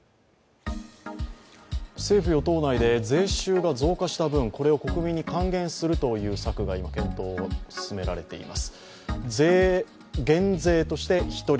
政府・与党内で税収が増加した分を国民に還元するという策が今、検討を進められています。